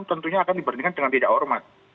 tentunya akan diberhentikan dengan tidak hormat